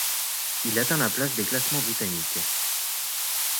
Il atteint la place des classements britanniques.